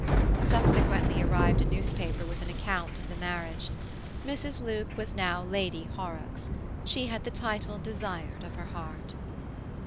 Subsequently arrived a newspaper with an account of the marriage. Mrs. Luke was now Lady Horrocks: she had the title desired of her heart.